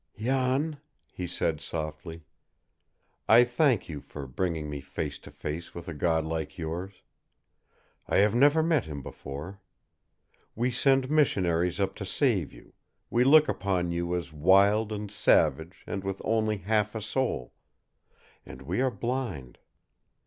"Jan," he said softly, "I thank you for bringing me face to face with a God like yours. I have never met Him before. We send missionaries up to save you, we look upon you as wild and savage and with only half a soul and we are blind.